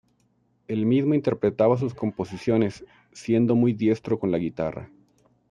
El mismo interpretaba sus composiciones, siendo muy diestro con la guitarra.